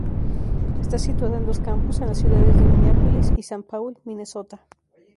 Está situada en dos campus, en las ciudades de Minneapolis y Saint Paul, Minnesota.